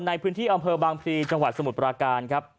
ในพื้นที่อำเภอบางพลีจังหวัดสมุทรปราการครับ